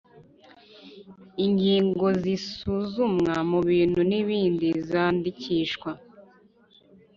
Ingingo zisuzumwa mu bintu n ibindi zandikishwa